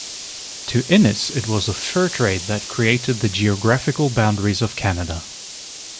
To Innis, it was the fur trade that created the geographical boundaries of Canada.